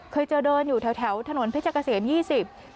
เคยเจอเดินอยู่แถวถนนเพชรเกษียม๒๐